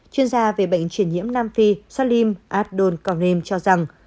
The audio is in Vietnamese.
chuyên gia về bệnh truyền nhiễm nam phi salim adol karim cho rằng